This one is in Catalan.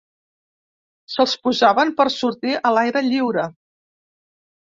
Se'ls posaven per sortir a l'aire lliure.